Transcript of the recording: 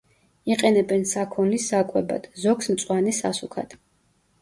იყენებენ საქონლის საკვებად, ზოგს მწვანე სასუქად.